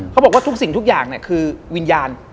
เขาบอกว่าทุกสิ่งทุกอย่างคือวิญญาณ